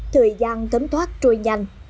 thời gian tấm thoát trôi nhanh